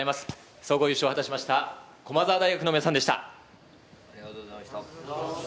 総合優勝を果たした駒澤大学の皆さんでした。